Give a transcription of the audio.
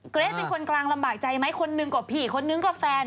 เกรทเป็นคนกลางลำบากใจไหมคนหนึ่งกว่าพี่คนนึงก็แฟน